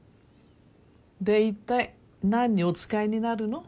でいったい何にお使いになるの？